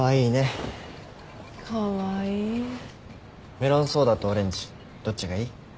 メロンソーダとオレンジどっちがいい？